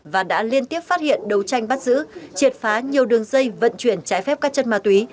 và đã liên tiếp phát hiện đấu tranh bắt giữ triệt phá nhiều đường dây vận chuyển trái phép các chất ma túy